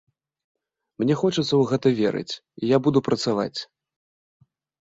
Мне хочацца ў гэта верыць, і я буду працаваць.